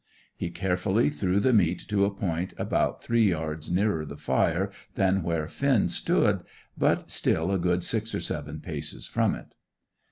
He carefully threw the meat to a point about three yards nearer the fire than where Finn stood, but still a good six or seven paces from it.